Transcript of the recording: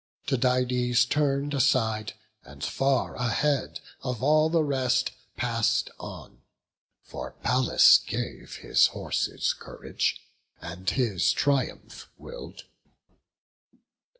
Tydides turn'd aside, and far ahead Of all the rest, pass'd on; for Pallas gave His horses courage, and his triumph will'd.